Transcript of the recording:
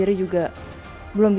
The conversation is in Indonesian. sampai jumpa lagi